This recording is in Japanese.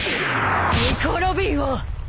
ニコ・ロビンを！